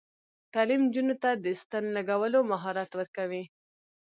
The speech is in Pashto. تعلیم نجونو ته د ستن لګولو مهارت ورکوي.